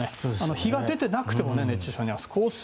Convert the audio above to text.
日が出ていなくても熱中症には注意。